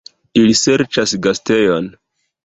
Ili serĉas gastejon!